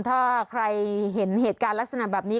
ถ้าใครเห็นเหตุการณ์ลักษณะแบบนี้